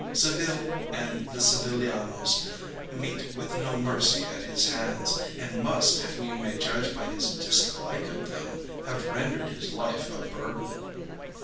Seville and the Sevillanos meet with no mercy at his hands, and must, if we may judge by his dislike of them, have rendered his life a burden.